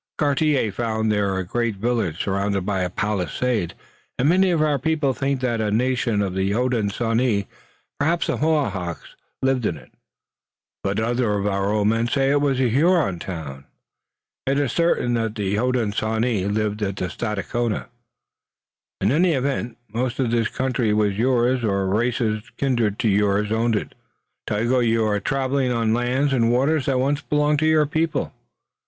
"Cartier found there a great village surrounded by a palisade, and many of our people think that a nation of the Hodenosaunee, perhaps the Mohawks, lived in it, but other of our old men say it was a Huron town. It is certain though that the Hodenosaunee lived at Stadacona." "In any event, most of this country was yours or races kindred to yours owned it. So, Tayoga, you are traveling on lands and waters that once belonged to your people.